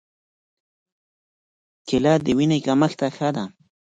کېله د وینې کمښت ته ښه ده.